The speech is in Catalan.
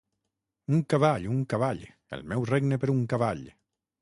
Un cavall, un cavall! El meu regne per un cavall!